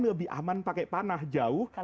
lebih aman pakai panah jauh